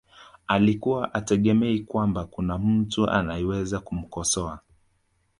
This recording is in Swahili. alikuwa hategemei kwamba kuna mtu anayeweza kumkosoa